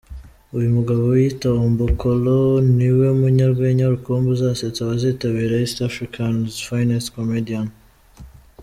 Uyu mugabo wiyita Ombokolo ni we munyarwenya rukumbi uzasetsa abazitabira ‘East Africa’s Finest Comedian’.